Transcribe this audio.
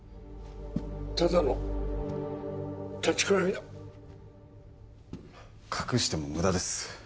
ただの立ちくらみだ隠しても無駄です